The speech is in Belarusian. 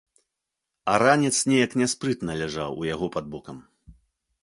А ранец неяк няспрытна ляжаў у яго пад бокам.